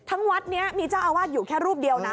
วัดนี้มีเจ้าอาวาสอยู่แค่รูปเดียวนะ